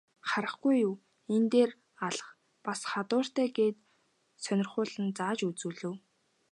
Харахгүй юу, энэ дээрээ алх бас хадууртай гээд сонирхуулан зааж үзүүлэв.